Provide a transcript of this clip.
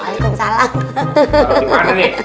waalaikumsalam pak jenis